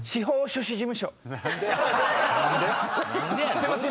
すいません。